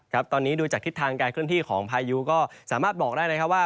ครับตอนนี้ดูจากทิศทางการเคลื่อนที่ของพายุก็สามารถบอกได้นะครับว่า